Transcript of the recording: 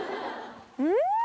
うん？